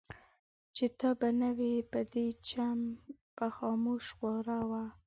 چي ته به نه وې په دې چم به خاموشي خوره وه